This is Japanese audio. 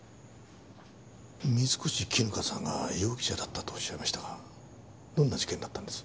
水越絹香さんが容疑者だったとおっしゃいましたがどんな事件だったんです？